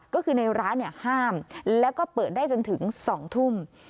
ก็คือในร้านห้ามแล้วก็เปิดได้จนถึง๒ทุ่ม